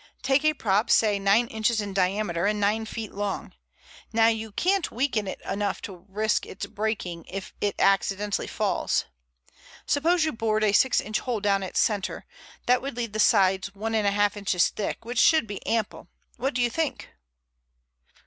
Take a prop say nine inches in diameter and nine feet long. Now you can't weaken it enough to risk its breaking if it accidentally falls. Suppose you bored a six inch hole down its center. That would leave the sides one and half inches thick, which should be ample. What do you think?"